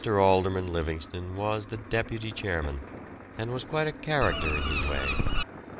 Alderman Livingston was the deputy chairman, and was quite a character in his way.